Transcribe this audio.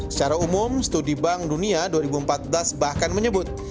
secara umum studi bank dunia dua ribu empat belas bahkan menyebut